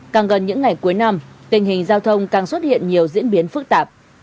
càng gần những ngày cuối năm tình hình giao thông càng xuất hiện nhiều diễn biến phức tạp